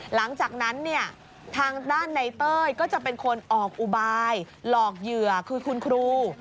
หลังจากนั้นเนี่ยทางด้านในเต้ยก็จะเป็นคนออกอุบายหลอกเหยื่อคือคุณครู